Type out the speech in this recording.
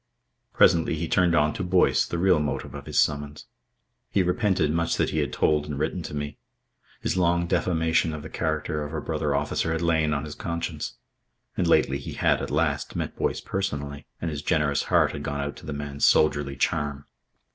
Presently he turned on to Boyce, the real motive of his summons. He repented much that he had told and written to me. His long defamation of the character of a brother officer had lain on his conscience. And lately he had, at last, met Boyce personally, and his generous heart had gone out to the man's soldierly charm.